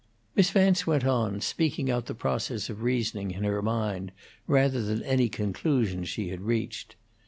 Miss Vance went on, speaking out the process of reasoning in her mind, rather than any conclusions she had reached.